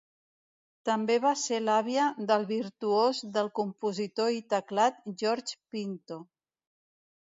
També va ser l'àvia del virtuós del compositor i teclat George Pinto.